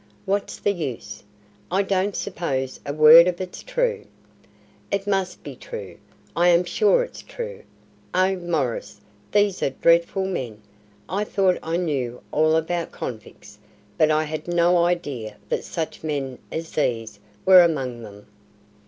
"What's the use? I don't suppose a word of it's true." "It must be true. I am sure it's true. Oh, Maurice, these are dreadful men. I thought I knew all about convicts, but I had no idea that such men as these were among them."